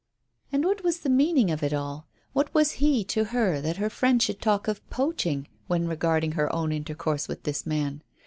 And what was the meaning of it all? What was he to her that her friend should talk of "poaching" when regarding her own intercourse with this man?